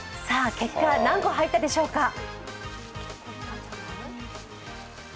さあ結果は何個入ったでしょうか？